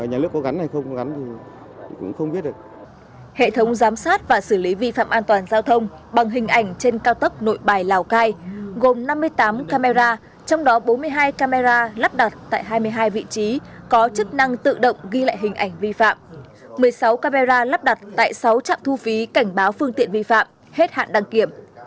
hệ thống giám sát và xử lý vi phạm an toàn giao thông bằng hình ảnh trên cao tốc nội bài lào cai gồm năm mươi tám camera trong đó bốn mươi hai camera lắp đặt tại hai mươi hai vị trí có chức năng tự động ghi lại hình ảnh vi phạm một mươi sáu camera lắp đặt tại sáu trạm thu phí cảnh báo phương tiện vi phạm hết hạn đăng kiểm